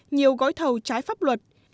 nhiều gói thầu trái pháp luật